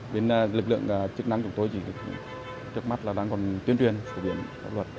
bên lực lượng chức năng chúng tôi chỉ trước mắt là đang còn tuyên truyền phổ biến các luật